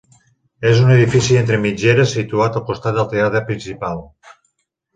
És un edifici entre mitgeres situat al costat del Teatre Principal.